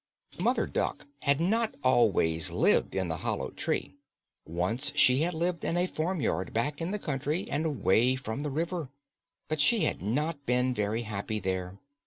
Mother Duck had not always lived in the hollow tree. Once she had lived in a farmyard back in the country and away from the river. But she had not been very happy there.